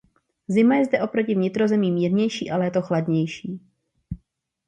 Zima je zde oproti vnitrozemí mírnější a léto chladnější.